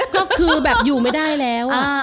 ก็คือแบบอยู่ไม่ได้แล้ว